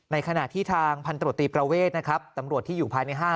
ขณะที่ทางพันตรวจตรีประเวทนะครับตำรวจที่อยู่ภายในห้าง